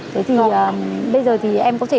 thế thì bây giờ thì em có thể